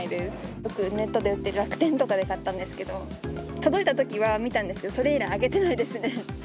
よくネットで売ってる、楽天とかで買ったんですけど、届いたときは見たんですけど、それ以来、開けてないですね。